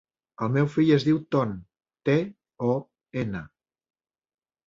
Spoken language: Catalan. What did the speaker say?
El meu fill es diu Ton: te, o, ena.